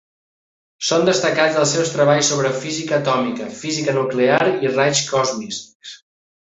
Són destacats els seus treballs sobre física atòmica, física nuclear i raigs còsmics.